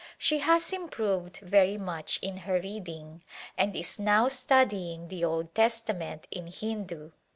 She has improved very much in her reading and is now studying the Old Testament in Hindu.